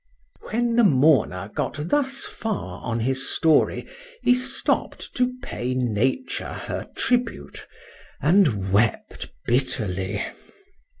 When the mourner got thus far on his story, he stopp'd to pay Nature her tribute,—and wept bitterly.